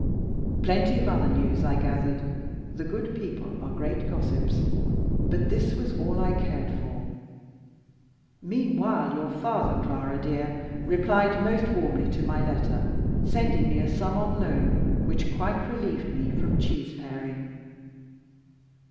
Plenty of other news I gathered the good people are great gossips but this was all I cared for. Meanwhile your father, Clara dear, replied most warmly to my letter, sending me a sum on loan, which quite relieved me from cheese paring.